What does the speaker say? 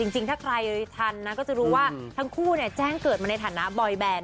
จริงถ้าใครทันนะก็จะรู้ว่าทั้งคู่แจ้งเกิดมาในฐานะบอยแบน